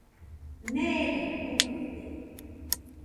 Neeji gujɨde.